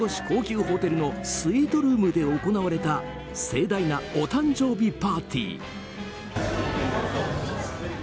高級ホテルのスイートルームで行われた盛大なお誕生日パーティー。